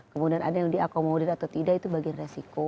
kemudian ada yang diakomodir atau tidak itu bagian resiko